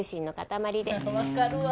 わかるわ。